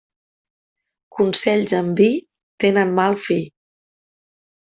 Consells amb vi tenen mal fi.